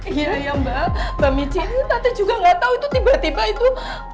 iya ya mbak mbak michi tadi juga gak tau itu tiba tiba itu